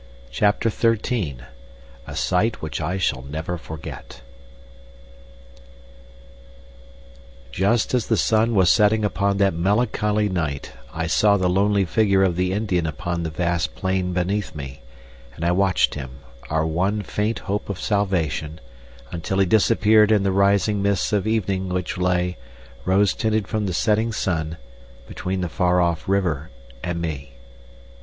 CHAPTER XIII "A Sight which I shall Never Forget" Just as the sun was setting upon that melancholy night I saw the lonely figure of the Indian upon the vast plain beneath me, and I watched him, our one faint hope of salvation, until he disappeared in the rising mists of evening which lay, rose tinted from the setting sun, between the far off river and me.